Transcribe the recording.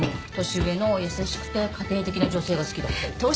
年上の優しくて家庭的な女性が好きだって。